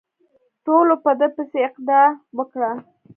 ټولو په ده پسې اقتدا وکړه.